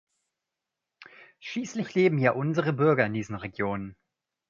Schließlich leben ja unsere Bürger in diesen Regionen.